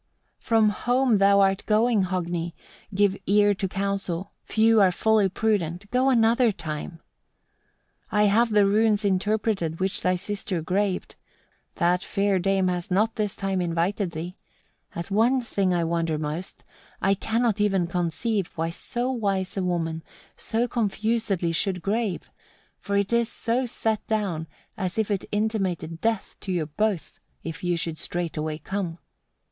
11. "From home thou art going, Hogni! give ear to counsel; few are fully prudent: go another time. 12. I have the runes interpreted, which thy sister graved: that fair dame has not this time invited thee. At one thing I wonder most, I cannot even conceive, why so wise a woman so confusedly should grave; for it is so set down as if it intimated death to you both, if you should straightway come.